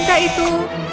hah bukankah itu